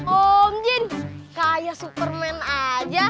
om jin kayak superman aja